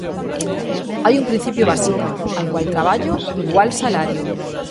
Hai un principio básico: a igual traballo, igual salario.